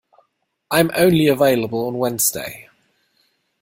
I am only available on Wednesday.